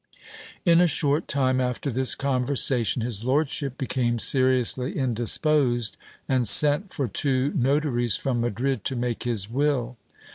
In a short time after this conversation, his lordship became seriouslyindisposed, and sent for two notaries from Madrid, to make his will.